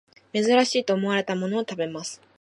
珍しいと思われたものを食べます